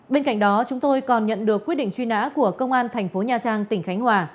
bên cạnh đó chúng tôi còn nhận được quyết định truy nã của công an thành phố nha trang tỉnh khánh hòa